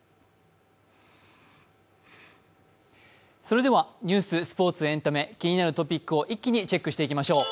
それではニュース、スポーツエンタメ、気になるトピックを一気にチェックしていきましょう。